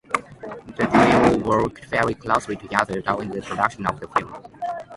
The trio worked very closely together during the production of the film.